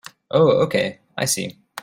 Oh okay, I see.